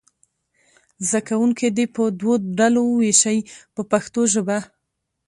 زده کوونکي دې په دوو ډلو وویشئ په پښتو ژبه.